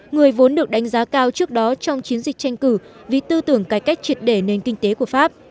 người vốn được đánh giá cao trước đó trong chiến dịch tranh cử vì tư tưởng cải cách triệt đề nền kinh tế của pháp